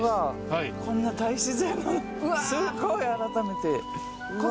はいこんな大自然のすごい改めてうわ